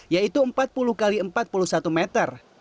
yaitu empat puluh x empat puluh satu meter